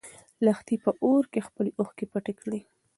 لښتې په اور کې خپلې اوښکې پټې کړې.